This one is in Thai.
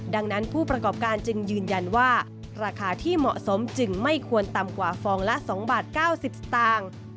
ดังนั้นผู้ประกอบการจึงยืนยันว่าราคาที่เหมาะสมจึงไม่ควรต่ำกว่าฟองละ๒บาท๙๐สตางค์